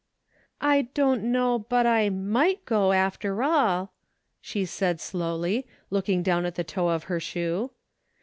" I don't know but I might go after all," she skid, slowly, looking down at the toe of her shoe.